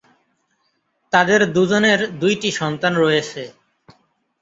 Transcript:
তাদের দুজনের দুইটি সন্তান রয়েছে।